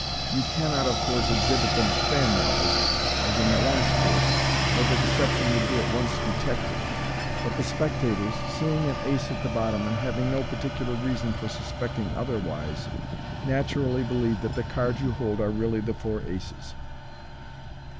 You cannot, of course, exhibit them fanwise, as in the last trick, or the deception would be at once detected j but the spectators, seeing an ace at the bottom, and having no particular reason for suspecting otherwise, naturally believe that the cards you hold are really the four aces.